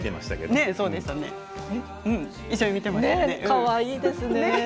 かわいいですね。